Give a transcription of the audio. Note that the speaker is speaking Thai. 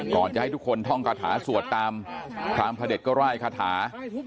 ก่อนจะให้ทุกคนท่องคาถาสวดตามพรามพระเด็จก็ไล่คาถา